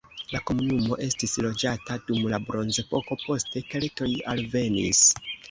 La komunumo estis loĝata dum la bronzepoko, poste keltoj alvenis.